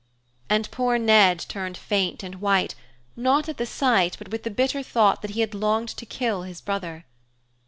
And poor Ned turned faint and white, not at the sight but with the bitter thought that he had longed to kill his brother.